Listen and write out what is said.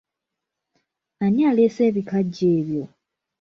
Ani aleese ebikajjo ebyo?